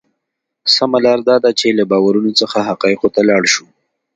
سمه لار دا ده چې له باورونو څخه حقایقو ته لاړ شو.